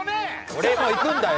俺も行くんだよ！